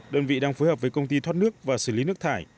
đơn vị đang phối hợp với công ty thoát nước và xử lý nước thải